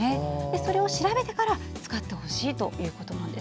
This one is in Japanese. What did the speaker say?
それを調べてから使ってほしいということなんです。